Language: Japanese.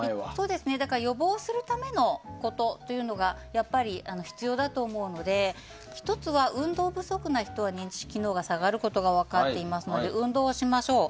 予防するためのことというのがやっぱり必要だと思うので１つは運動不足な人は認知機能が下がることが分かっていますので運動をしましょう。